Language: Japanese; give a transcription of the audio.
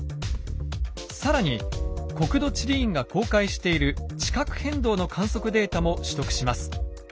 更に国土地理院が公開している地殻変動の観測データも取得します。